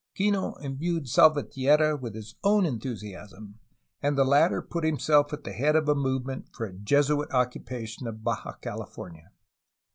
Kino imbued Salvatierra with his own enthusiasm, and the latter put himself at the head of a movement for a Jesuit occupation of Baja CaUfornia.